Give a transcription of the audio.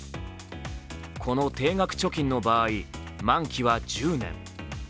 この定額貯金の場合、満期は１０年。